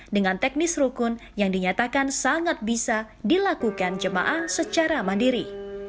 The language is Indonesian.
dengan teknis rukun yang dinyatakan sangat bisa dilakukan jemaah secara mandiri